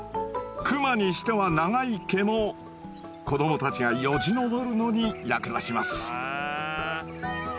クマにしては長い毛も子どもたちがよじ登るのに役立ちます。